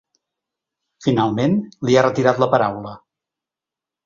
Finalment, li ha retirat la paraula.